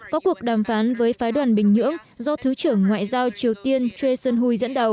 có cuộc đàm phán với phái đoàn bình nhưỡng do thứ trưởng ngoại giao triều tiên choi sun hui dẫn đầu